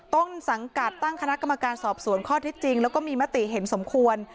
ต้นสังกัดตั้งคณะกรรมการสอบสวนข้อเท็จจริงแล้วก็มีมติเห็นสมควร